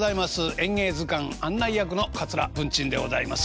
「演芸図鑑」案内役の桂文珍でございます。